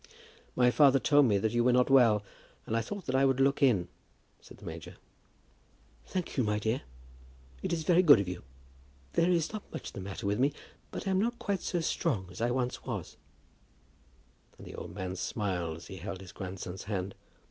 "My father told me that you were not quite well, and I thought that I would look in," said the major. "Thank you, my dear; it is very good of you. There is not much the matter with me, but I am not quite so strong as I was once." And the old man smiled as he held his grandson's hand.